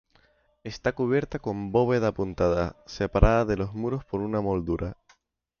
Está cubierta con bóveda apuntada, separada de los muros por una moldura.